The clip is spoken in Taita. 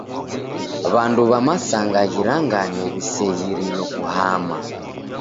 W'andu w'a masanga ghirangane w'iseghirilo kuhama.